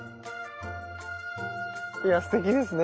いやすてきですね。